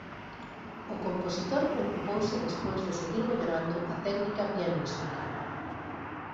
O compositor preocupouse despois de seguir mellorando a técnica pianística